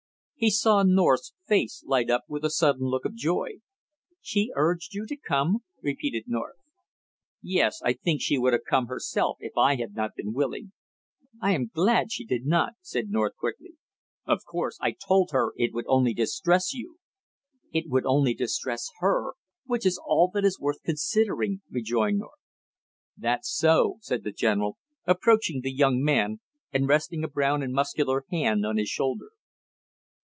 He saw North's face light up with a sudden look of joy. "She urged you to come?" repeated North. "Yes I think she would have come herself if I had not been willing." "I am glad she did not!" said North quickly. "Of course! I told her it would only distress you." "It would only distress her which is all that is worth considering," rejoined North. "That's so!" said the general, approaching the young man and resting a brown and muscular hand on his shoulder.